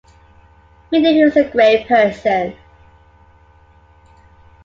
We knew he was a great person.